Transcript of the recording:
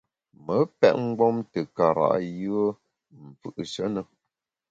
Me pèt mgbom te kara’ yùe m’ fù’she ne.